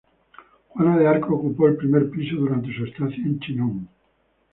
Juana de Arco ocupó el primer piso durante su estancia en Chinon.